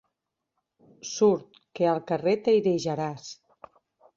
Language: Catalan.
Surt, que al carrer t'airejaràs.